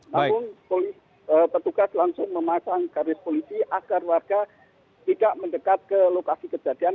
namun petugas langsung memasang garis polisi agar warga tidak mendekat ke lokasi kejadian